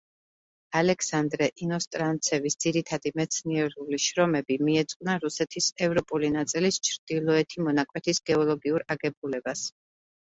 ალექსანდრე ინოსტრანცევის ძირითადი მეცნიერული შრომები მიეძღვნა რუსეთის ევროპული ნაწილის ჩრდილოეთი მონაკვეთის გეოლოგიურ აგებულებას.